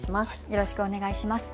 よろしくお願いします。